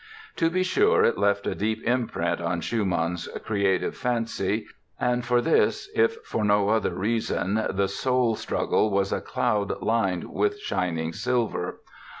To be sure it left a deep imprint on Schumann's creative fancy and for this, if for no other reason, the soul struggle was a cloud lined with shining silver.